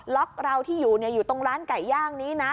เราที่อยู่อยู่ตรงร้านไก่ย่างนี้นะ